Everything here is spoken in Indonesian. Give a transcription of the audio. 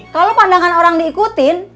kalau pandangan orang diikutin